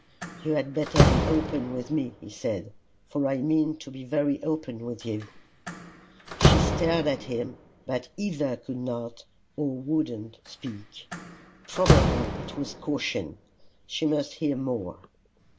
"You had better be open with me," he said, "for I mean to be very open with you." She stared at him, but either could not, or would not speak. Probably it was caution: she must hear more.